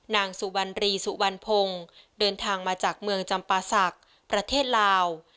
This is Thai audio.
นางสุวรรณรีสุวรรณพงศ์เดินทางมาจากเมืองจำปาศักดิ์ประเทศลาว